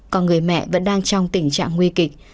còn người mẹ vẫn đang trong tình trạng nguy kịch